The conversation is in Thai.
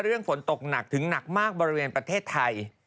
ฝนตกหนักถึงหนักมากบริเวณประเทศไทย